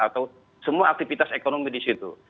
atau semua aktivitas ekonomi di situ